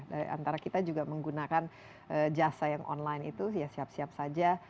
dari antara kita juga menggunakan jasa yang online itu ya siap siap saja